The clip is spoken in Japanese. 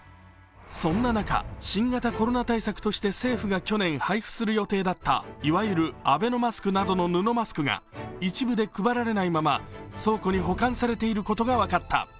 そんな中、新型コロナ対策として政府が去年、配布する予定だったいわゆるアベノマスクなどの布マスクが一部で配られないまま倉庫で保管されていることが分かった。